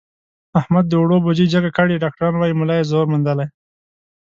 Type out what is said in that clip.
احمد د اوړو بوجۍ جګه کړې، ډاکټران وایي ملا یې زور موندلی.